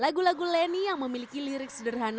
lagi lagi leni yang memiliki lirik sederhana tetapi begitu mengena